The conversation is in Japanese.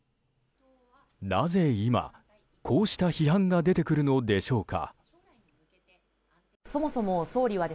なぜ今、こうした批判が出てくるのでしょうか。